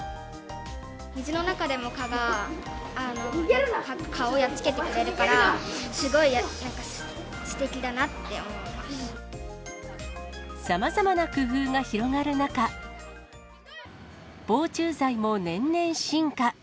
水の中でも蚊が、蚊をやっつけてくれるから、すごい、なんかすてきだなって思さまざまな工夫が広がる中、防虫剤も年々進化。